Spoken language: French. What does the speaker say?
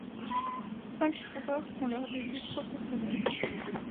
Cinq coureurs font leurs débuts professionnels.